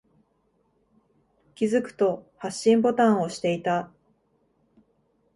気づくと、発信ボタンを押していた。